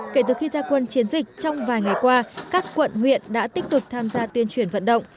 kể từ khi gia quân chiến dịch trong vài ngày qua các quận huyện đã tích cực tham gia tuyên truyền vận động